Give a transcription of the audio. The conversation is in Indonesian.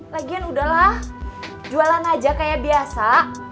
lagian udahlah jualan aja kayak biasa